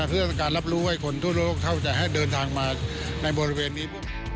เพื่อเป็นการรับรู้ให้คนทั่วโลกเท่าจะให้เดินทางมาในบริเวณนี้ปุ๊บ